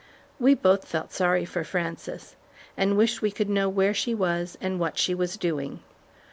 We both felt sorry for Frances, and wished we could know where she was and what she was doing.